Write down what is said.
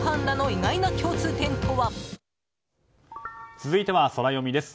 続いては、ソラよみです。